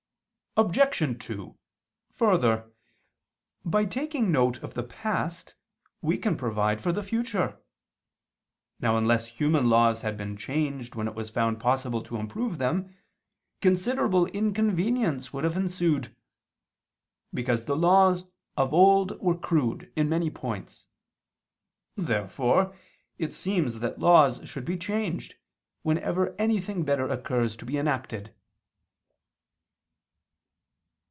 Obj. 2: Further, by taking note of the past we can provide for the future. Now unless human laws had been changed when it was found possible to improve them, considerable inconvenience would have ensued; because the laws of old were crude in many points. Therefore it seems that laws should be changed, whenever anything better occurs to be enacted.